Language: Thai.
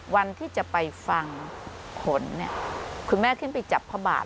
วันที่จะไปฟังผลเนี่ยคุณแม่ขึ้นไปจับพระบาท